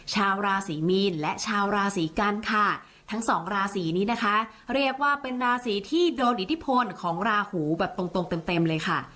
ชาวราศรีมีนและชาวราศีกันค่ะทั้งสองราศีนี้นะคะเรียกว่าเป็นราศีที่โดนอิทธิพลของราหูแบบตรงตรงเต็มเลยค่ะ